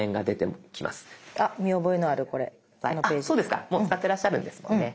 もう使ってらっしゃるんですもんね。